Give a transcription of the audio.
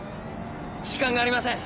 時間がありません！